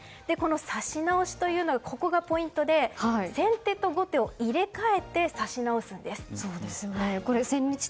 差し直しの、ここがポイントで先手と後手を入れ替えて指し直すんです。